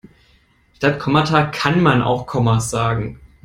Statt Kommata kann man auch Kommas sagen.